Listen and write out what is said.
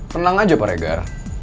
tenang aja pak regar